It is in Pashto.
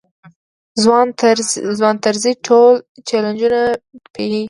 ځوان طرزی ټول چلنجونه پېيي.